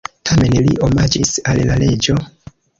Tamen li omaĝis al la reĝo.